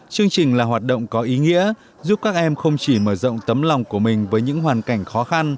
chương trình là hoạt động có ý nghĩa giúp các em không chỉ mở rộng tấm lòng của mình với những hoàn cảnh khó khăn